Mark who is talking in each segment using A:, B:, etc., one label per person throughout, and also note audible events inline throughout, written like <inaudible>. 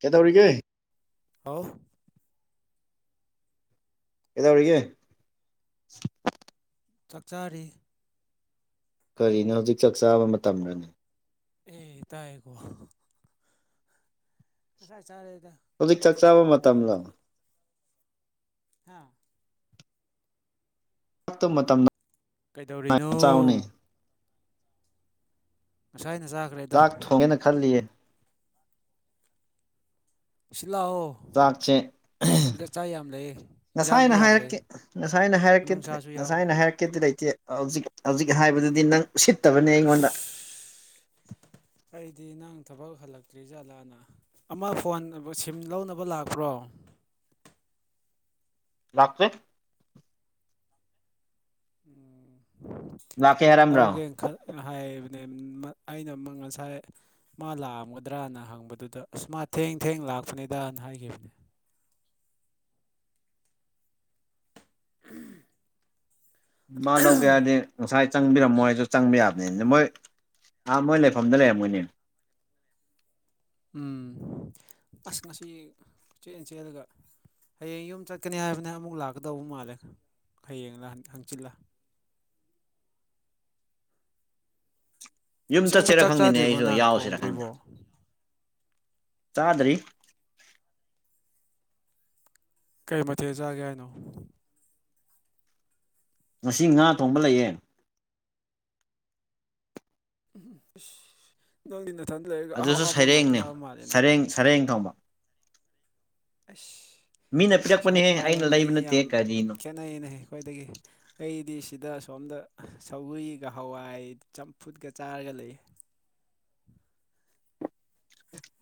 A: ꯀꯦ ꯇꯧꯔꯤꯒꯦ
B: ꯑꯥꯎ
A: ꯀꯗ ꯍꯧꯔꯒꯦ
B: ꯆꯥꯛꯆꯥꯔꯤ
A: ꯀꯔꯤꯅꯣ ꯍꯧꯖꯤꯛ ꯆꯥꯛ ꯆꯥꯕ ꯃꯇꯝꯗꯅꯤ
B: ꯑꯦ ꯇꯑꯀꯣ ꯉꯁꯥꯏ ꯆꯥꯔꯦꯗ
A: ꯍꯧꯖꯤꯛ ꯆꯥꯛ ꯆꯥꯕ ꯃꯇꯝꯂꯣ
B: ꯀꯥꯎꯕꯗꯨꯗ ꯍꯥꯥ
A: ꯃꯇꯝꯗ
B: ꯀꯩꯗꯧꯔꯤꯅꯣ ꯁꯨꯋꯥꯏꯅ ꯆꯥꯈ꯭ꯔꯦꯗ
A: ꯆꯥꯛ ꯊꯣꯡꯒꯦꯅ ꯈꯜꯂꯤꯌꯦ
B: ꯁꯤ ꯂꯥꯛꯑꯣ
A: ꯆꯥꯛꯁꯦ
B: ꯁꯤꯗ ꯆꯥꯛ ꯌꯥꯝ ꯂꯩ ꯏꯟꯖꯥꯡꯁꯨ
A: ꯉꯁꯥꯏꯅ
B: ꯌꯥꯝ ꯂꯩ
A: ꯍꯥꯏꯔꯛꯀꯦ ꯉꯁꯥꯏꯅ ꯍꯥꯏꯔꯛꯀꯦꯗꯤ
B: ꯃꯅꯨꯡꯁꯥꯁꯨ
A: ꯉꯁꯥꯏ
B: ꯌꯥꯎꯋꯦ
A: ꯊꯥꯏꯅ ꯍꯥꯏꯔꯛꯀꯦꯗꯤ ꯂꯩꯇꯦ ꯍꯧꯖꯤꯛ ꯍꯧꯖꯤꯛ ꯍꯥꯏꯕꯗꯨꯗꯤ ꯅꯪ ꯎꯁꯤꯠꯇꯕꯅꯦ ꯑꯩꯉꯣꯟꯗ
B: ꯏꯁ ꯑꯩꯗꯤ ꯅꯪ ꯊꯕꯛ ꯍꯜꯂꯛꯇ꯭ꯔꯤ ꯖꯥꯠꯂꯥꯅ ꯑꯃ ꯐꯣꯟ ꯁꯤꯝ ꯂꯧꯅꯕ ꯂꯥꯛꯄ꯭ꯔꯣ
A: <inaudible> ꯂꯥꯛꯄ
B: ꯎꯝ
A: ꯂꯥꯛꯀꯦ ꯍꯥꯏꯔꯝꯕ꯭ꯔꯣ
B: ꯂꯧꯒꯦ ꯈ ꯍꯥꯏ ꯑꯩꯅ ꯉꯁꯥꯏ ꯃꯥ ꯂꯥꯛꯑꯝꯒꯗ꯭ꯔꯥꯅ ꯍꯪꯕꯗꯨꯗ ꯑ ꯃꯥ ꯊꯦꯡ ꯊꯦꯡ ꯂꯥꯛ ꯇꯥꯛꯄꯅꯤꯗꯅ ꯍꯥꯏꯈꯤꯕꯅꯤ ꯎꯝ
A: ꯃꯥ ꯂꯧꯒꯦ ꯍꯥꯏꯔꯗꯤ ꯉꯁꯥꯏ ꯆꯪꯕꯤꯔꯝꯃꯣꯏ ꯍꯥꯏꯁꯨ ꯆꯪꯕ ꯌꯥꯕꯅꯤ ꯃꯣꯏ ꯑꯥ ꯃꯣꯏ ꯂꯩꯐꯝꯗ ꯂꯩꯔꯝꯃꯣꯏꯅꯦ
B: ꯎ ꯑꯁ ꯉꯁꯤ ꯆꯦꯂꯟ ꯆꯦꯜꯂꯒ ꯍꯌꯦꯡ ꯌꯨꯝ ꯆꯠꯀꯅꯤ ꯍꯥꯏꯕꯅꯦ ꯑꯃꯨꯛ ꯂꯥꯛꯀꯗꯧꯕ ꯃꯥꯜꯂꯦ ꯍꯌꯦꯡ ꯍꯪꯆꯤꯜꯂ
A: ꯌꯨꯝ
B: ꯑꯁꯦꯡꯕ
A: ꯆꯠꯁꯤꯔ
B: ꯆꯥꯛ
A: ꯈꯪꯗꯦꯅꯦ
B: ꯆꯥꯗ꯭ꯔꯤꯕꯣ
A: ꯑꯩꯁꯨ
B: ꯅꯪ
A: ꯌꯥꯎꯁꯤꯔ ꯈꯪꯗꯦ
B: ꯊꯣꯡꯗ꯭ꯔꯤꯕꯣ
A: ꯆꯥꯗ꯭ꯔꯤ
B: ꯀꯩ ꯃꯊꯦ ꯆꯥꯒꯦ ꯍꯥꯏꯅꯣ
A: ꯉꯁꯤ ꯉꯥ ꯊꯣꯡꯕ ꯂꯩꯌꯦ
B: ꯎꯝ ꯅꯪꯗꯤ ꯅꯊꯟꯗ ꯂꯩꯔꯒ ꯑꯍꯥꯎ
A: ꯑꯗꯨꯁꯨ
B: ꯑꯍꯥꯎꯕ ꯉꯥꯛꯇ
A: ꯁꯩꯔꯦꯡꯅꯦ
B: ꯆꯥꯕ ꯃꯥꯜꯂꯦꯅꯦ
A: ꯁꯔꯦꯡ ꯁꯔꯦꯡ ꯊꯣꯡꯕ
B: ꯑꯁ
A: ꯃꯤꯅꯦ
B: ꯄꯩꯁꯥ ꯄꯥꯏꯕ ꯃꯤꯗꯤ ꯌꯥꯝ ꯈꯦꯠꯅꯩꯅꯦ ꯑꯩꯈꯣꯏꯗꯒꯤ ꯑꯩꯗꯤ ꯁꯤꯗ ꯁꯣꯝꯗ ꯁꯒꯔꯤꯒ ꯍꯋꯥꯏ ꯆꯝꯐꯨꯠꯀ ꯆꯥꯔꯒ ꯂꯩ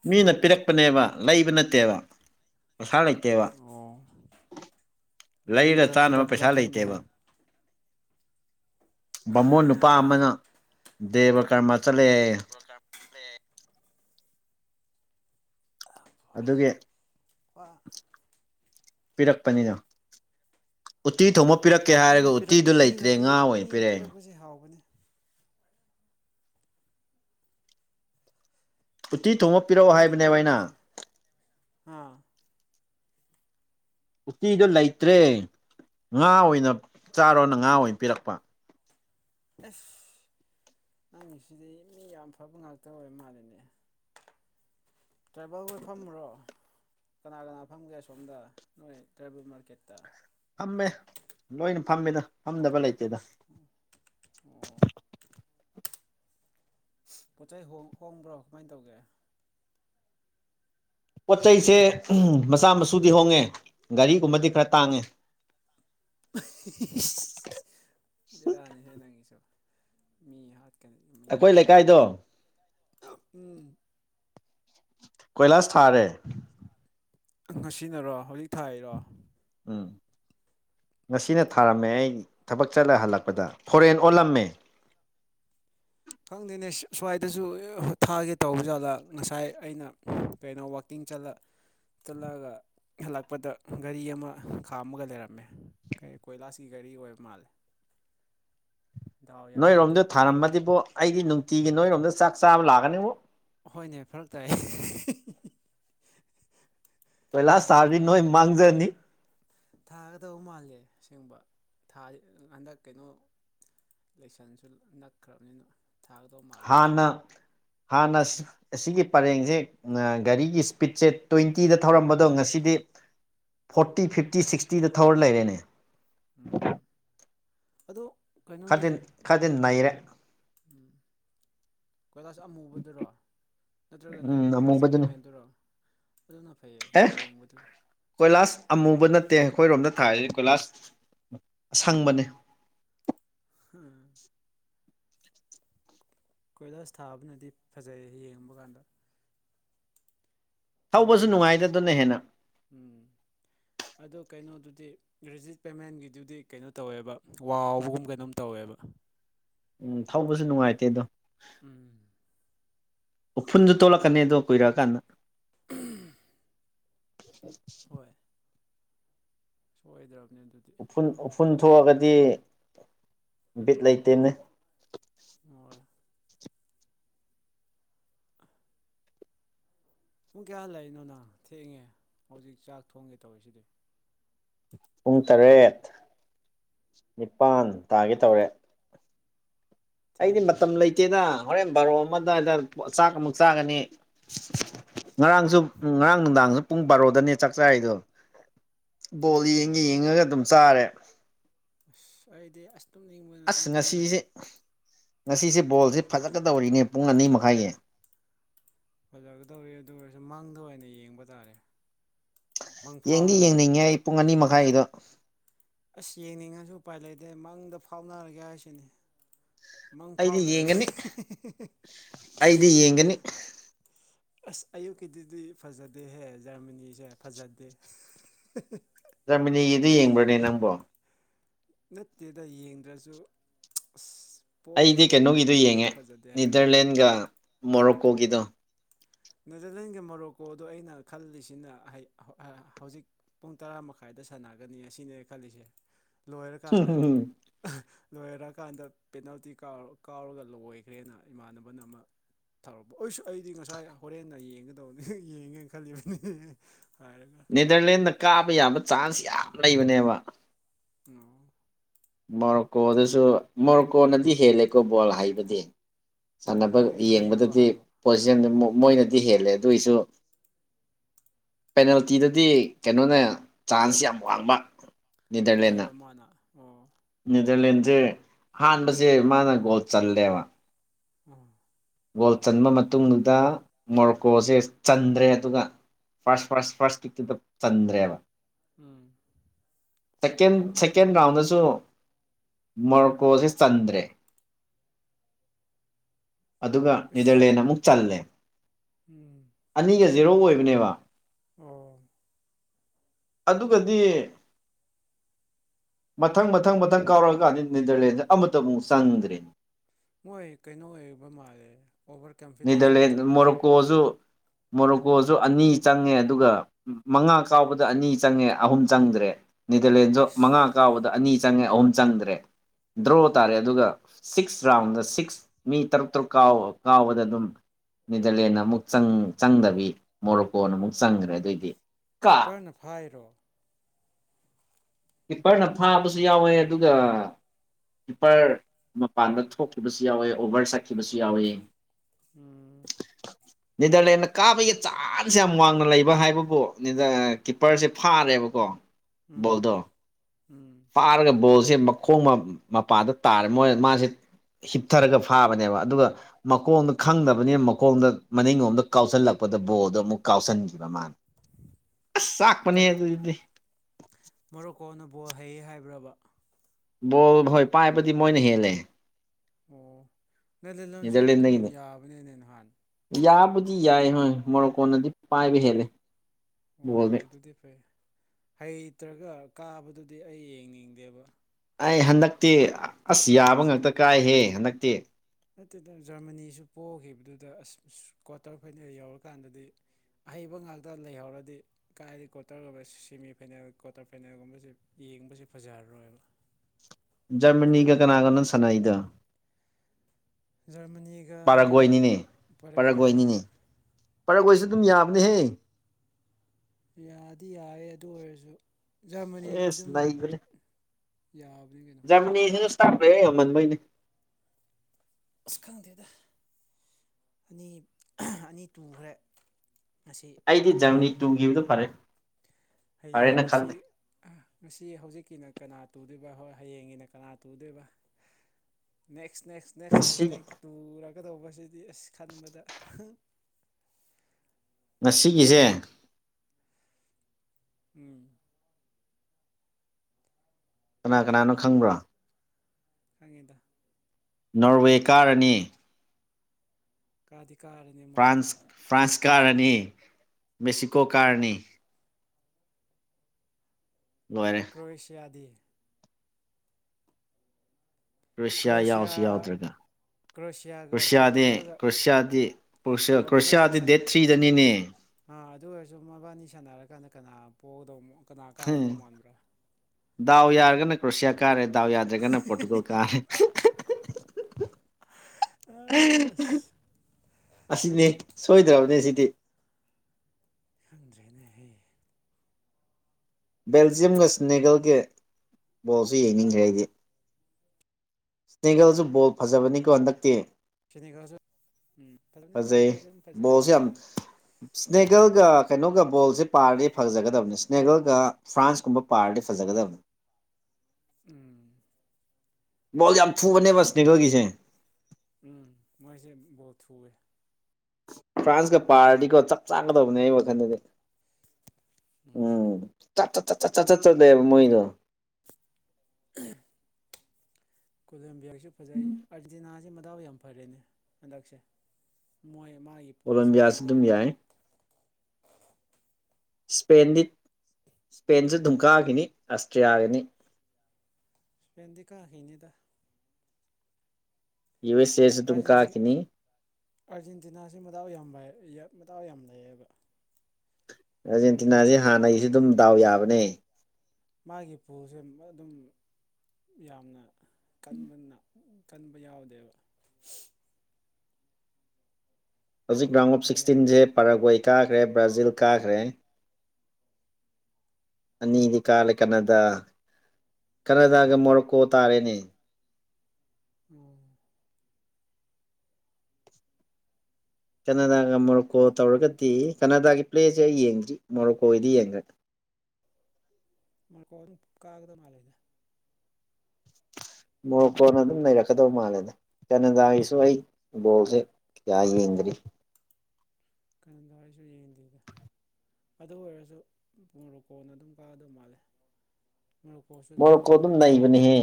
A: ꯃꯤꯅ ꯄꯤꯔꯛꯄꯅꯦꯕ ꯂꯩꯕ ꯅꯠꯇꯦꯕ ꯄꯩꯁꯥ ꯂꯩꯇꯦꯕ
B: ꯑꯣ
A: ꯂꯩꯔ
B: ꯂꯩꯕ꯭ꯔꯥ
A: ꯆꯥꯅꯕ
B: ꯄꯤꯔꯛꯄ꯭ꯔꯥ
A: ꯄꯩꯁꯥ
B: ꯈꯪꯗꯦ
A: ꯂꯩꯇꯦꯕ ꯕꯥꯃꯣꯟ ꯅꯨꯄꯥ ꯑꯃꯅ ꯗꯦꯕ ꯀꯔꯃ ꯆꯠꯂꯦ
B: <unintelligible>
A: ꯑꯗꯨꯒꯤ ꯄꯤꯔꯛꯄꯅꯤꯅ ꯎꯇꯤ ꯊꯣꯡꯃ ꯄꯤꯔꯛꯀꯦ ꯍꯥꯏꯔꯒ
B: ꯃꯤꯅ ꯄꯤꯔꯛ
A: ꯎꯇꯤꯗꯨ
B: ꯃꯤꯅ
A: ꯂꯩꯇ꯭ꯔꯦ ꯉꯥ
B: ꯄꯤꯔꯛ
A: ꯑꯣꯏꯅ
B: ꯃꯤꯅ
A: ꯄꯤꯔꯛꯏꯅꯨ
B: ꯄꯤꯔꯛꯄꯁꯦ ꯍꯥꯎꯕꯅꯦ
A: ꯇꯤ ꯊꯣꯉꯄꯤꯔꯛꯑꯣ ꯍꯥꯏꯕꯅꯦꯕ ꯑꯩꯅ
B: ꯍꯥꯥ
A: ꯎꯇꯤꯗꯨꯣ ꯂꯩꯇ꯭ꯔꯦ ꯉꯥ ꯑꯣꯏꯅ ꯆꯥꯔꯣꯅ ꯉꯥ ꯑꯣꯏꯅ ꯄꯤꯔꯛꯄ
B: ꯁ ꯅꯪꯒꯤꯁꯤꯗꯤ ꯃꯤ ꯌꯥꯝ ꯐꯕ ꯉꯥꯛꯇ ꯑꯣꯏ ꯃꯥꯜꯂꯤꯅꯦ ꯇ꯭ꯔꯥꯏꯕꯦꯜꯒꯤꯐꯝꯔꯣ ꯀꯅꯥ ꯀꯅꯥ ꯐꯝꯒꯦ ꯑꯁꯣꯝꯗ ꯅꯣꯏ ꯇ꯭ꯔꯥꯏꯕꯦꯜ ꯃꯥꯔꯀꯦꯠꯇ
A: ꯐꯝꯃꯦ ꯂꯣꯏꯅ ꯐꯝꯃꯦꯗ ꯐꯝꯗꯕ ꯂꯩꯇꯦꯗ
B: ꯑꯣ ꯄꯣꯠ ꯆꯩꯩ ꯍꯣꯡꯕ꯭ꯔꯣ ꯀꯃꯥꯏꯅ ꯇꯧꯒꯦ
A: ꯄꯣꯠ ꯆꯩꯁꯦ ꯃꯆꯥ ꯃꯁꯨꯗꯤ ꯍꯣꯡꯉꯦ ꯒꯥꯔꯤꯒꯨꯝꯕꯗꯤ ꯈꯔ ꯇꯥꯡꯉꯦ
B: ꯔꯥꯅꯤꯍꯦ ꯅꯪꯒꯤꯁꯨ ꯃꯤ ꯍꯥꯠ
A: ꯑꯩꯈꯣꯏ ꯂꯩꯀꯥꯏꯗꯣ
B: ꯎꯝ
A: ꯀꯣꯏꯂꯥꯁ ꯊꯥꯔꯦ
B: ꯉꯁꯤꯅꯔꯣ ꯍꯧꯖꯤꯛ ꯊꯥꯏꯔꯣ
A: ꯎꯝ ꯉꯁꯤꯅ ꯊꯥꯔꯝꯃꯦ ꯑꯩ ꯊꯕꯛ ꯆꯠꯂ ꯍꯜꯂꯛꯄꯗ ꯐꯣꯔꯦꯟ ꯑꯣꯜꯂꯝꯃꯦ <unintelligible>
B: ꯈꯪꯗꯦꯅꯦ ꯁ꯭ꯋꯥꯏꯗꯁꯨ ꯊꯥꯒꯦ ꯇꯧꯕ ꯖꯥꯠꯂ ꯉꯁꯥꯏ ꯑꯩꯅ ꯀꯩꯅꯣ ꯋꯥꯛꯀꯤꯡ ꯆꯂ ꯆꯠꯂꯛꯑꯒ ꯍꯜꯂꯛꯄꯗ ꯒꯥꯔꯤ ꯑꯃ ꯈꯥꯝꯃꯒ ꯂꯩꯔꯝꯃꯦ ꯀ ꯀꯣꯏꯂꯥꯁꯀꯤ ꯒꯥꯔꯤ ꯑꯣꯏꯕ ꯃꯥꯜꯂꯦ
A: <unintelligible>
B: ꯗꯥꯎ ꯌꯥꯔꯗꯤ
A: ꯅꯣꯏꯔꯣꯝꯗ ꯊꯥꯔꯝꯃꯗꯤꯕꯣ ꯑꯩꯗꯤ ꯅꯨꯡꯇꯤꯒꯤ ꯅꯣꯏꯔꯣꯝꯗ ꯆꯥꯛ ꯆꯥꯕ ꯂꯥꯛꯀꯅꯦꯕ
B: ꯍꯣꯏꯅꯦ ꯐꯔꯛ ꯇꯥꯏ
A: ꯄꯣꯏꯂꯥꯁ ꯆꯔꯗꯤ ꯅꯣꯏ ꯃꯥꯡꯖꯅꯤ
B: ꯊꯥꯒꯗꯧꯕ ꯃꯥꯜꯂꯦ ꯑꯁꯦꯡꯕ ꯊꯥ ꯍꯟꯗꯛ ꯀꯩꯅꯣ ꯂꯁꯟꯁꯨ ꯅꯛꯈ꯭ꯔꯕꯅꯤꯅ ꯊꯥꯒꯗꯧ ꯃꯥꯜꯂꯦ
A: ꯍꯥꯟꯅ ꯍꯥꯟꯅ ꯑꯁꯤꯒꯤ ꯄꯔꯦꯡꯁꯦ ꯒꯥꯔꯤꯒꯤ ꯏꯁꯄꯤꯠꯁꯦ ꯇ꯭ꯋꯦꯟꯇꯤꯗ ꯊꯧꯔꯝꯕꯗꯣ ꯉꯁꯤꯗꯤ ꯐꯣꯔꯇꯤ ꯐꯤꯞꯇꯤ ꯁꯤꯛꯁꯇꯤꯗ ꯊꯧꯔ ꯂꯩꯔꯦꯅꯦ
B: ꯎꯝ ꯑꯗꯣ ꯀꯩꯅꯣꯅꯦ
A: ꯈꯗꯤꯟ ꯈꯗꯤꯟ ꯅꯅꯥꯏꯔꯦ
B: ꯎꯝ ꯀꯣꯏꯂꯥꯁ ꯑꯃꯨꯕꯗꯨꯔꯣ ꯅꯠꯇ꯭ꯔꯒꯅ
A: ꯎꯝ ꯑꯃꯨꯕꯗꯨꯅꯤ
B: ꯔꯤꯖꯤꯄꯦꯃꯦꯟꯗꯨꯔꯣ ꯐꯖꯅ ꯐꯩꯌꯦ
A: ꯑꯦ
B: ꯌꯦꯡꯕꯗꯨꯗ
A: ꯀꯣꯏꯂꯥꯁ ꯑꯃꯨꯕ ꯅꯠꯇꯦ ꯑꯩꯈꯣꯏꯔꯣꯝꯗ ꯊꯥꯏꯔꯤꯁꯤꯗꯤ ꯒꯨꯂꯥꯁ ꯑꯁꯪꯕꯅꯤ
B: ꯎꯝ ꯀꯣꯏꯂꯥꯁ ꯊꯥꯕꯅꯗꯤ ꯐꯖꯩꯌꯦ ꯌꯦꯡꯕ ꯀꯥꯟꯗ ꯅꯨꯡꯁꯨ
A: ꯊꯧꯕꯁꯨ
B: ꯅꯨꯡꯉꯥꯏꯕ
A: ꯅꯨꯡꯉꯥꯏꯗꯗꯨꯅ ꯍꯦꯟꯅ
B: ꯑ ꯀꯩꯅꯣꯗꯨꯗꯤ ꯔꯤꯖꯤꯠ ꯄꯦꯃꯦꯟꯒꯤꯗꯨꯗꯤ ꯀꯩꯅꯣ ꯇꯧꯋꯦꯕ ꯋꯥꯕꯒꯨꯝ ꯀꯩꯅꯣꯝ ꯇꯧꯋꯦꯕ
A: ꯎꯝ ꯊꯧꯕꯁꯨ ꯅꯨꯡꯉꯥꯏꯇꯦ ꯑꯗꯣ
B: ꯎꯝ
A: ꯎꯐꯨꯟꯗꯨ ꯇꯣꯂꯛꯀꯅꯤ ꯑꯗꯣ ꯀꯨꯏꯔꯛꯑꯀꯥꯟꯗ <unintelligible>
B: ꯍꯣꯏꯗ꯭ꯔ
A: ꯎꯐꯨ ꯎꯐꯨꯟ ꯊꯣꯛꯑꯒꯗꯤ ꯕꯤꯠ ꯂꯩꯇꯦꯅꯦ
B: ꯃ ꯄꯨꯡ ꯀꯌꯥ ꯂꯩꯏꯅꯣ ꯅꯪ ꯊꯦꯡꯉꯦ ꯍꯧꯖꯤꯛ ꯆꯥꯛ ꯊꯣꯡꯒꯦ ꯇꯧꯋꯤꯁꯤꯗꯤ
A: ꯄꯨꯡ ꯇꯔꯦꯠ ꯅꯤꯄꯜ ꯇꯥꯒꯤ ꯇꯔꯦꯠ ꯑꯩꯗꯤ
B: ꯊꯦꯡꯉꯦꯅꯦ
A: ꯃꯇꯝ ꯂꯩꯇꯦꯗ ꯍꯣꯔꯦꯟ ꯕꯥꯔꯣ ꯑꯃꯗꯋꯥꯗ ꯆꯥꯛ ꯑꯃꯨꯛ ꯆꯥꯒꯅꯤ ꯉꯔꯥꯡꯁꯨ ꯉꯔꯥꯡ ꯅꯨꯡꯗꯥꯡꯁꯨ ꯄꯨꯡ ꯕꯥꯔꯣꯗꯅꯦ ꯆꯥꯛꯆꯥꯔꯤꯗꯣ ꯕꯣꯜ
B: ꯀꯩꯗꯧ ꯂꯩꯕ
A: ꯌꯦꯡꯒ ꯌꯦꯡꯉꯒ ꯑꯗꯨꯝ ꯆꯥꯔꯦ
B: ꯍꯗꯤꯦ ꯑꯁ ꯇꯨꯝꯅꯤꯡꯕꯅ
A: ꯑꯁ
B: ꯇꯨꯝꯅꯤꯡꯕꯅ
A: ꯉꯁꯤꯁꯦ ꯉꯁꯤꯁꯦ ꯕꯣꯜꯁꯦ ꯐꯖꯀꯗꯧꯔꯤꯅꯦ ꯄꯨꯡ ꯑꯅꯤ ꯃꯈꯥꯏꯒꯤ
B: ꯐꯖꯒꯗꯧꯔꯤ ꯑꯗꯨ ꯑꯣꯏꯔꯁꯨ ꯃꯪꯗ ꯑꯣꯏꯅ ꯌꯦꯡꯕ ꯇꯥꯔꯦ ꯃꯪ
A: ꯌꯦꯡꯗꯤ
B: ꯐꯥꯎꯅꯔꯒꯦ
A: ꯌꯦꯡꯅꯤꯡꯉꯦ ꯑꯩ ꯄꯨꯡ ꯑꯅꯤ ꯃꯈꯥꯏꯗꯣ
B: ꯑꯁ ꯌꯦꯡꯅꯤꯡꯉꯁꯨ ꯎꯄꯥꯏ ꯂꯩꯇꯦ ꯃꯪꯗ ꯐꯥꯎꯅꯔꯒꯦ ꯍꯥꯏꯁꯤꯅꯤ ꯃꯪ
A: ꯑꯩꯗꯤ
B: ꯐꯥꯎꯅꯔꯦ
A: ꯌꯦꯡꯒꯅꯤ ꯑꯩꯗꯤ ꯌꯦꯡꯒꯅꯤ
B: ꯑꯁ ꯑꯌꯨꯛꯀꯤꯗꯤꯗꯤ ꯐꯖꯗꯦꯍꯦ ꯖꯔꯃꯅꯤꯁꯦ ꯐꯖꯗꯦ
A: ꯆꯥꯃꯤꯅꯤꯒꯤꯗꯨ ꯌꯦꯡꯕ꯭ꯔꯅꯦ ꯅꯪꯕꯣ
B: ꯅꯠꯇꯦꯗ ꯌꯦꯡꯗ꯭ꯔꯁꯨ ꯑꯁ
A: ꯑꯩꯗꯤ
B: ꯄꯣꯛꯈꯤꯕꯗꯣ
A: ꯀꯩꯅꯣꯒꯤꯗꯣ ꯌꯦꯡꯉꯦ
B: ꯐꯖꯗꯦ ꯍꯥꯏꯕꯅꯤꯗ
A: ꯅꯤꯗꯔꯂꯦꯟꯒ ꯃꯣꯔꯣꯀꯣꯒꯤꯗꯣ
B: ꯅꯦꯗꯔꯂꯦꯟꯒꯤ ꯃꯣꯔꯣꯀꯣꯗ ꯑꯩꯅ ꯈꯜꯂꯤꯁꯤꯅ ꯍꯧꯖꯤꯛ ꯄꯨꯡ ꯇꯔꯥ ꯃꯈꯥꯏꯗ ꯁꯥꯟꯅꯒꯅꯤ ꯑꯁꯤꯅꯦ ꯈꯜꯂꯤꯁꯦ ꯂꯣꯏꯔꯀꯥꯟꯗ ꯂꯣꯏꯔꯀꯥꯟꯗ ꯄꯦꯅꯥꯜꯇꯤ ꯀꯥꯎꯔꯒ ꯂꯣꯏꯈ꯭ꯔꯦꯅ ꯏꯃꯥꯟꯅꯕꯅ ꯑꯃ ꯊꯧꯔꯛꯄ ꯑꯣꯏꯁꯨ ꯑꯩꯗꯤ ꯉꯁꯥꯏ ꯍꯣꯔꯦꯟꯅ ꯌꯦꯡꯒꯗꯕꯅꯤ ꯌꯦꯡꯒꯦꯅ ꯈꯜꯂꯤꯕꯅꯤ ꯍꯥꯏꯔꯒ
A: ꯅꯦꯗꯔꯂꯦꯟꯗ ꯀꯥꯕ ꯌꯥꯕ ꯆꯥꯟꯁ ꯌꯥꯝ ꯂꯩꯕꯅꯦꯕ
B: ꯑꯣ
A: ꯃꯣꯔꯣꯀꯣꯗꯁꯨ ꯃꯣꯔꯣꯀꯣꯅꯗꯤ ꯍꯦꯜꯂꯦꯀꯣ ꯕꯣꯜ ꯍꯥꯏꯕꯗꯤ
B: ꯑꯣ
A: ꯁꯥꯟꯅꯕ
B: ꯃꯣꯏ ꯍꯩꯕ꯭ꯔꯣ
A: ꯌꯦꯡꯕꯗꯗꯤ
B: ꯍꯥꯏꯕ
A: ꯄꯣꯖꯤꯁꯟ ꯑꯃꯨꯛ ꯃꯣꯏꯅꯗꯤ ꯍꯦꯜꯂꯦ ꯑꯗꯨꯑꯣꯏꯁꯨ ꯄꯦꯅꯥꯜꯇꯤꯗꯗꯤ ꯀꯩꯅꯣꯅꯦ ꯆꯥꯟꯁ ꯌꯥꯝ ꯋꯥꯡꯕ ꯅꯦꯗꯔꯂꯦꯟꯅ
B: ꯊꯣꯏꯕ ꯃꯥꯅ ꯑꯣ
A: ꯅꯦꯗꯔꯂꯦꯟꯁꯦ ꯑꯍꯥꯟꯕꯁꯦ ꯃꯥꯅ ꯒꯣꯜ ꯆꯜꯂꯦꯕ
B: ꯎꯝ
A: ꯕꯣꯜ ꯆꯟꯕ ꯃꯇꯨꯡꯗꯨꯗ ꯃꯣꯔꯀꯣꯁꯦ ꯆꯟꯗ꯭ꯔꯦ ꯑꯗꯨꯒ ꯐꯥꯁ ꯐꯥꯁ ꯐꯥꯁꯛꯇ ꯆꯗ꯭ꯔꯦꯕ
B: ꯎꯝ
A: ꯁꯀꯦꯟ ꯁꯦꯀꯦꯟ ꯔꯥꯎꯟꯗꯁꯨ ꯃꯣꯔꯀꯣꯁꯦ ꯆꯟꯗ꯭ꯔꯦ ꯑꯗꯨꯒ
B: ꯏꯁ
A: ꯅꯦꯗꯔꯂꯦꯟ ꯑꯃꯨꯛ ꯆꯜꯂꯦ
B: ꯎꯝ
A: ꯖꯦꯔꯧ ꯑꯣꯏꯕꯅꯦꯕ
B: ꯑꯣ
A: ꯑꯗꯨꯒꯗꯤ ꯃꯊꯪ ꯃꯊꯪ ꯃꯊꯪ ꯀꯥꯎꯔꯛꯑꯀꯥꯟꯗ ꯅꯦꯗꯔꯂꯦꯟꯗ ꯑꯃꯇ ꯑꯃꯨꯛ ꯆꯪꯗ꯭ꯔꯤꯅꯤ
B: ꯃꯣꯏ ꯀꯩꯅꯣ ꯑꯣꯏꯕ ꯃꯥꯜꯂꯦ ꯑꯣꯚꯔ ꯀꯟꯐꯤꯗꯦꯟꯁꯁꯨ
A: ꯅꯦꯗꯔꯂꯦꯟ
B: ꯆꯠꯄꯁꯦ
A: ꯃꯣꯔꯣꯀꯣꯁꯨ ꯃꯣꯔꯣꯀꯣꯁꯨ ꯑꯅꯤ ꯆꯪꯉꯦ ꯑꯗꯨꯒ ꯃꯉꯥ ꯀꯥꯎꯕꯗ ꯑꯅꯤ ꯆꯪꯉꯦ ꯑꯍꯨꯝ ꯆꯪꯗ꯭ꯔꯦ ꯅꯦꯗꯔꯂꯦꯟꯁꯨ
B: ꯑꯁ
A: ꯃꯉꯥ ꯀꯥꯎꯕꯗ ꯑꯅꯤ ꯆꯪꯉꯦ ꯑꯍꯨꯝ ꯆꯪꯗ꯭ꯔꯦ ꯗ꯭ꯔꯣ ꯇꯥꯔꯦ ꯑꯗꯨꯒ ꯁꯤꯛꯁ ꯔꯥꯎꯟꯗ ꯁꯤꯛꯁ ꯃꯤ ꯇꯔꯨꯛ ꯇꯔꯨꯛ ꯀꯥꯎꯕꯗ ꯑꯗꯨꯝ ꯅꯦꯗꯔꯂꯦꯟꯅ ꯑꯃꯨꯛ ꯆꯪꯗꯕꯤ ꯃꯣꯔꯣꯀꯣꯅ ꯑꯃꯨꯛ ꯆꯪꯈ꯭ꯔꯦ ꯑꯗꯨꯑꯣꯏꯗꯤ ꯀꯥ
B: ꯀꯤꯞꯄꯔꯅ ꯐꯥꯏꯔꯣ
A: ꯀꯤꯄꯔꯅ ꯐꯥꯕꯁꯨ ꯌꯥꯎꯋꯦ ꯑꯗꯨꯒ ꯀꯤꯞꯄꯔ ꯃꯄꯥꯟꯗ ꯊꯣꯛꯈꯤꯕꯁꯨ ꯌꯥꯎꯋꯦ ꯑꯣꯚꯔ ꯁꯠꯈꯤꯕꯁꯨ ꯌꯥꯎꯋꯦ
B: ꯎꯝ
A: ꯅꯦꯗꯔꯂꯦꯟꯗ ꯀꯥꯕꯒꯤ ꯆꯥꯟꯁ ꯌꯥꯝ ꯋꯥꯡꯅ ꯂꯩꯕ ꯍꯥꯏꯕꯕꯨ ꯀꯤꯞꯄꯔꯁꯦ ꯐꯥꯔꯦꯕ
B: ꯎꯝ
A: ꯀꯣꯣꯗ
B: ꯎꯝ
A: ꯄꯥꯔꯒ ꯕꯣꯜꯁꯦ ꯃꯈꯣꯡ ꯃꯄꯥꯥꯟꯗ ꯇꯥꯔꯦ ꯃꯣꯏ ꯃꯥꯁꯦ ꯍꯤꯞꯊꯔꯒ ꯐꯥꯕꯅꯦꯕ ꯑꯗꯨꯒ ꯃꯀꯣꯡꯗ ꯈꯪꯗꯕꯅꯤꯅ ꯃꯈꯀꯣꯡꯗ ꯃꯅꯤꯡꯂꯣꯝꯗ ꯀꯥꯎꯁꯤꯜꯂꯛꯄ ꯗ ꯕꯣꯜꯗꯣ ꯑꯃꯨꯛ ꯀꯥꯎꯁꯤꯟꯈꯤꯕ ꯃꯥꯅ ꯑꯁ ꯆꯥꯛꯄꯅꯦ
B: ꯀꯅꯥ
A: ꯑꯗꯨꯗꯤ
B: ꯐꯨꯠꯕꯣꯜ ꯍꯩꯌꯦ ꯍꯥꯏꯕ꯭ꯔꯕ
A: ꯕꯣꯜ ꯍꯣꯏ ꯄꯥꯏꯕꯗꯤ ꯃꯣꯏꯅ ꯍꯦꯜꯂꯦ
B: ꯑꯣ ꯅ ꯂꯤ ꯂꯁꯨ ꯑꯗꯨꯝ
A: ꯅꯦꯗꯔꯂꯦꯟꯗꯒꯤꯅꯦ
B: ꯌꯥꯕꯅꯦꯅꯦ ꯅꯍꯥꯟ
A: ꯕꯨꯗꯤ ꯌꯥꯏ ꯍꯣꯏ ꯃꯔꯣꯔꯣꯛ ꯀꯣꯟꯅꯗꯤ ꯄꯥꯏꯕ ꯍꯦꯜꯂꯦ
B: ꯑꯣ
A: ꯕꯣꯜꯗꯤ
B: ꯑꯗꯨꯗꯤ ꯐꯩ ꯍꯩꯇ꯭ꯔꯒ ꯀꯥꯕꯗꯨꯗꯤ ꯑꯩ ꯌꯦꯡꯅꯤꯡꯗꯦꯕ
A: ꯑꯩ ꯍꯟꯗꯛꯇꯤ ꯑꯁ ꯌꯥꯕ ꯉꯥꯛꯇ ꯀꯥꯏꯍꯦ ꯍꯟꯗꯛꯇꯤ
B: ꯅꯠꯇꯗꯅ ꯖꯔꯃꯅꯤꯁꯨ ꯄꯣꯛꯈꯤꯕꯗꯨꯗ ꯑꯁ ꯀ꯭ꯋꯥꯇꯔ ꯐꯥꯏꯅꯦꯜ ꯌꯧꯔꯀꯥꯟꯗꯗꯤ ꯑꯍꯩꯕ ꯉꯥꯛꯇ ꯂꯩꯍꯧꯔꯗꯤ ꯀꯥꯏꯗꯤ ꯀ꯭ꯋꯥꯇꯔꯒꯨꯝꯕ ꯁꯦꯃꯤ ꯐꯥꯏꯅꯦꯜ ꯀ꯭ꯋꯥꯇꯔ ꯐꯥꯏꯅꯦꯜꯒꯨꯝꯕꯕꯁꯤꯦ ꯄꯤ ꯌꯦꯡꯕꯁꯦ ꯐꯖꯔꯔꯣꯏꯕ
A: ꯖꯔꯃꯅꯤꯒ ꯀꯅꯥꯒꯅꯣ ꯁꯥꯟꯅꯏꯗ
B: ꯖꯔꯃꯅꯤꯒ ꯄꯔꯦꯒ ꯑꯣꯏ ꯍꯣꯏ
A: ꯄꯔꯈꯣꯏꯁꯨ ꯑꯗꯨꯝ ꯌꯥꯕꯅꯦꯍꯦ
B: ꯌꯥꯗꯤ ꯌꯥꯏꯦ ꯑꯗꯨ ꯑꯣꯏꯔꯁꯨ ꯖꯔꯃꯅꯤꯗꯤ
A: ꯑꯦꯁ
B: ꯑꯗꯨꯝ
A: ꯂꯩꯏꯒꯅꯦ
B: ꯌꯥꯕꯅꯤ ꯀꯩꯅꯣ
A: ꯌꯥꯝꯃꯅꯤꯁꯤ ꯇ ꯑꯃꯟꯕꯅꯦ
B: ꯑꯁ ꯈꯪꯗꯦꯗ ꯑꯅꯤ ꯑꯅꯤ ꯇꯨꯈ꯭ꯔꯦ ꯉꯁꯤ
A: ꯑꯩꯗꯤ ꯖꯔꯃꯅꯤ ꯇꯨꯈꯤꯕꯗꯨ ꯐꯔꯦ
B: ꯍꯌꯦꯡ
A: ꯐꯔꯦꯅ
B: ꯉꯁꯤ
A: ꯈꯜꯂꯦ
B: ꯉꯁꯤ ꯍꯧꯖꯤꯛꯀꯤꯅ ꯀꯅꯥ ꯇꯨꯔꯤ ꯍꯣꯏ ꯍꯌꯦꯡꯒꯤꯅ ꯀꯅꯥ ꯇꯨꯗꯣꯏꯕ ꯅꯦꯛꯁ ꯏꯁ꯭ꯅꯦꯛꯁ ꯁꯅꯦꯛꯁ ꯃꯥꯏ
A: ꯉꯁꯤꯒꯤ
B: ꯏꯁ꯭ꯅꯦꯛ ꯇꯨꯔꯒꯗꯧꯕꯁꯤꯗꯤ ꯑꯁ ꯈꯟꯕꯗ ꯂꯣꯏ
A: ꯉꯁꯤꯒꯤꯁꯦ
B: ꯎꯝ
A: ꯀꯅꯥ ꯀꯅꯥꯅꯣ ꯈꯪꯕ꯭ꯔꯥ
B: ꯁꯪꯉꯗ
A: ꯅꯣꯔꯋꯦ ꯀꯥꯔꯅꯤ
B: ꯀꯗꯤ ꯀꯥꯔꯅꯤ
A: ꯐ꯭ꯔꯥꯟꯁ
B: ꯃꯥꯗꯨꯗꯤꯦ
A: ꯐ꯭ꯔꯥꯟꯁ ꯀꯥꯔꯅꯤ ꯃꯦꯛꯁꯤꯀꯣ ꯀꯥꯔꯅꯤ ꯂꯣꯏꯔꯦ
B: ꯀ꯭ꯔꯣꯌꯦꯁꯤꯌꯥꯗꯤ
A: ꯔ꯭ꯔꯨꯁꯤꯌꯥ
B: ꯀ꯭ꯔꯣꯑꯦꯁꯤꯌꯥ
A: ꯌꯥꯎꯁꯨ ꯌꯥꯎꯗ꯭ꯔꯒ
B: ꯀ꯭ꯔꯣꯑꯦꯁꯤꯌꯥꯒ ꯄꯣꯔꯇꯨꯒꯜꯒ
A: ꯀꯣꯁꯤꯌꯥꯗꯦꯌꯥ
B: ꯄꯣꯔꯇꯨꯒꯜꯒ
A: ꯀꯣꯁꯤꯌꯥꯗꯤ
B: ꯁꯥꯟ
A: ꯗꯦꯠ ꯊ꯭ꯔꯤꯗꯅꯤꯅꯦ
B: ꯑꯥ ꯑꯗꯨ ꯑꯣꯏꯔꯁꯨ ꯃꯕꯥꯅꯤ ꯁꯥꯟꯅꯔꯀꯥꯟꯗ ꯀꯅꯥ ꯄꯣꯛꯒꯗ ꯀꯅꯥ ꯀꯥꯒꯗꯧ ꯃꯥꯟꯕ꯭ꯔꯥ
A: ꯗꯥꯎ ꯌꯥꯔꯒꯅ ꯀ꯭ꯔꯣꯁꯤꯌꯥ ꯀꯥꯔꯦ ꯗꯥꯎ ꯌꯥꯗ꯭ꯔꯒꯅ ꯄꯣꯔꯇꯨꯒꯜ ꯀꯥꯔꯦ ꯎꯝ
B: ꯑꯁ
A: ꯑꯁꯤꯅꯤ ꯁꯣꯏꯗ꯭ꯔꯕꯅꯦ ꯁꯤꯗꯤ
B: ꯌꯥꯝꯟꯗꯦꯅ ꯍꯩ
A: ꯕꯦꯜꯖꯤꯌꯝꯒꯁ ꯅꯒꯜꯒꯤ ꯕꯣꯜꯁꯤ ꯌꯦꯡꯅꯤꯡꯈ꯭ꯔꯦꯗꯤ ꯁꯅꯦꯒꯜꯁꯨ ꯕꯣꯜ ꯐꯖꯕꯅꯤꯀꯣ ꯍꯟꯗꯛꯇꯤ
B: ꯁꯤꯅꯤ ꯀꯁꯨ ꯎꯝ ꯐꯖꯕꯅꯤ
A: ꯐꯖꯩ
B: ꯅꯍꯥꯟꯈꯩꯁꯨ ꯑꯗꯨꯝ ꯐꯖꯩꯗ
A: ꯕꯣꯁꯦ ꯌꯥꯝ
B: ꯌꯥꯝꯅ
A: ꯏꯁꯅꯦꯒꯜꯒ ꯀꯩꯅꯣꯒ ꯕꯣꯜꯁꯦ ꯄꯥꯔꯗꯤ ꯐꯖꯒꯗꯕꯅꯤ ꯁ꯭ꯅꯦꯒꯜꯒ ꯐ꯭ꯔꯥꯟꯁꯀꯨꯝꯕ ꯄꯥꯔꯗꯤ ꯐꯖꯒꯗꯕꯅꯤ <inaudible>
B: ꯎꯝ
A: ꯕꯣꯜ ꯌꯥꯝ ꯊꯨꯕꯅꯦꯕꯁ ꯅꯤꯒꯜꯒꯤꯁꯦ
B: ꯎꯝ ꯋꯥꯏꯁꯦ ꯣ ꯊꯨꯦ
A: ꯐ꯭ꯔꯥꯟꯁꯀ ꯄꯥꯔꯇꯤꯒ ꯆꯥꯛ ꯆꯥꯒꯗꯕꯅꯦ ꯑꯩ ꯋꯥꯈꯜꯗꯗꯤ ꯎꯝ ꯆ ꯆ ꯆꯠ ꯆꯠ ꯆꯠ ꯆꯠꯗꯦ ꯃꯣꯏꯅ
B: ꯎꯝ ꯀꯣꯂꯝꯣꯕꯤꯌꯥꯒꯤꯁꯨ ꯐꯖꯩ ꯑꯥꯔꯖꯤꯦꯟꯇꯤꯅꯥꯁ ꯃꯗꯥꯎ ꯌꯥꯝ ꯐꯔꯦꯅꯦ ꯍꯟꯗꯛꯁꯦ ꯃꯣꯏ ꯃꯥꯒꯤ ꯄꯨꯜꯁꯦ
A: ꯀꯂꯦꯝꯕꯤꯌꯥꯁꯤ ꯑꯗꯨꯝ ꯌꯥꯏ ꯁꯄꯦꯗꯤꯠ ꯁ꯭ꯄꯦꯟꯁꯨ ꯙꯨꯝꯀꯥꯒꯤꯅꯤ ꯑꯁꯇ꯭ꯔꯤꯌꯥꯒꯤꯅꯤ
B: ꯄꯦꯟꯗꯤ ꯀꯥ ꯍꯅꯦꯗ
A: ꯌꯨ ꯑꯦꯁ ꯑꯦꯁꯨ ꯑꯗꯨꯝ ꯀꯥꯈꯤꯅꯤ
B: ꯑꯥꯔꯖꯦꯟꯇꯤꯅꯥꯁꯤ ꯃꯗꯥꯎ ꯑꯣꯏ ꯌꯥꯝꯕ ꯍꯥꯏ ꯃꯇꯥꯎ ꯌꯥꯝ ꯂꯩꯌꯦꯕ
A: ꯑꯥꯔꯖꯦꯟꯇꯤꯅꯥꯁꯦ ꯍꯥꯟꯅꯒꯤꯁꯨ ꯑꯗꯨꯝ ꯗꯥꯎ ꯌꯥꯕꯅꯦ
B: ꯃꯥꯒꯤ ꯄꯨꯁꯦ ꯑꯗꯨꯝ ꯌꯥꯝꯅ ꯀꯟꯕꯅ ꯀꯟꯕ ꯌꯥꯎꯗꯦꯕ
A: ꯍꯧꯖꯤꯛ ꯔꯥꯎꯟ ꯑꯣꯞ
B: ꯃꯗꯥꯎ ꯌꯥꯝ ꯐꯩ
A: ꯁꯤꯛꯁꯇꯤꯟꯁꯦ ꯄꯥꯔꯥꯒꯣꯏ ꯀꯥꯈ꯭ꯔꯦ ꯕ꯭ꯔꯥꯖꯤꯜ ꯀꯥꯈ꯭ꯔꯦ ꯑꯅꯤꯗꯤ ꯀꯥꯂꯦ ꯀꯅꯥꯗꯥ ꯀꯅꯥꯗꯥꯒ ꯃꯣꯔꯣꯛꯀꯣ ꯇꯥꯔꯦꯅꯦ
B: ꯎꯝ
A: ꯀꯅꯥꯗꯥꯒ ꯃꯣꯔꯣꯀꯣ ꯇꯧꯔꯒꯗꯤ ꯀꯅꯥꯗꯥꯒꯤ ꯄ꯭ꯂꯦꯁꯦ ꯑꯩ ꯌꯦꯡꯗ꯭ꯔꯤ ꯃꯣꯔꯣꯀꯣꯗꯤ ꯌꯦꯡꯈ꯭ꯔꯦ <inaudible>
B: ꯑꯗꯨꯝ ꯀꯥꯒꯗ ꯃꯥ ꯂꯩꯗ
A: ꯃꯣꯔꯣꯀꯣꯅ ꯑꯗꯨꯝ ꯂꯩꯔꯛꯀꯗꯧ ꯃꯥꯜꯂꯦꯗ
B: ꯎꯝ
A: ꯀꯦꯅꯥꯗꯥꯒꯤꯁꯨ ꯑꯩ ꯕꯣꯜꯁꯦ ꯌꯥꯒꯤꯦ ꯏꯟ꯭ꯔꯤ
B: ꯀꯗꯏꯁꯨ ꯌꯗꯤ ꯏꯗ ꯑꯗꯨ ꯑꯣꯏꯔꯁꯨ ꯄꯣꯔꯣꯀꯣꯟꯅ ꯑꯗꯨꯝ ꯀꯥꯒꯗꯧ ꯃꯥꯜꯂꯦ ꯃꯔꯣꯛꯀꯣꯁꯨ ꯑꯗꯨꯝ
A: ꯃꯣꯔꯣꯀꯣ ꯅꯩꯕꯅꯦꯍꯦ
B: ꯅꯍꯥꯟꯒꯤꯁꯨ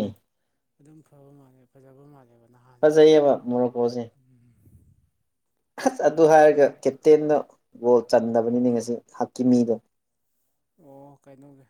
B: ꯑꯗꯨꯝ ꯐꯕ ꯃꯥꯜꯂꯦ ꯐꯖꯕ ꯃꯥꯜꯂꯦꯕ ꯅꯍꯥꯟ
A: ꯐꯖꯩꯌꯦꯕ ꯃꯣꯔꯣꯀꯣꯁꯦ
B: ꯎꯝ
A: ꯑꯁ ꯑꯗꯨ ꯍꯥꯏꯔꯒ ꯀꯦꯞꯇꯦꯟꯅ ꯕꯣꯜ ꯆꯟꯗꯕꯅꯤꯅꯦ ꯉꯁꯤ ꯍꯛꯀꯤ ꯃꯤꯗꯣ
B: ꯑꯣ ꯀꯩꯅꯣꯒꯤ